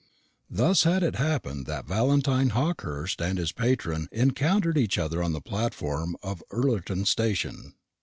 Thus had it happened that Valentine Hawkehurst and his patron encountered each other on the platform of Ullerton station.